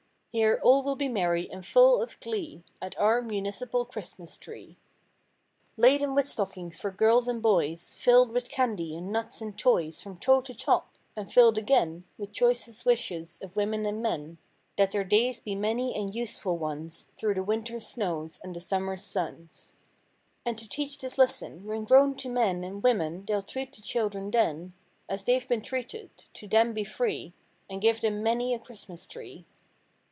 Here all will be merry and full of glee At our Municipal Christmas Tree. ^ Laden with stockings, for girls and boys. Filled with candy and nuts and toys From toe to top. And filled again With choicest wishes of women and men That their days be many and useful ones Through the winter's snows and the summer's suns 177 And to teach this lesson: When grown to men And women they'll treat the children then As they've been treated— to them be free— And give them many a Christmas tree.